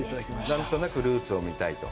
なんとなくルーツを見たいと。